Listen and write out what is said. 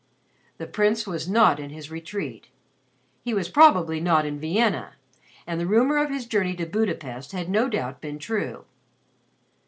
The Prince was not in his retreat; he was probably not in Vienna, and the rumor of his journey to Budapest had no doubt been true.